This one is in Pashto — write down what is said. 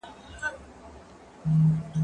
زه به اوږده موده درسونه ولولم!.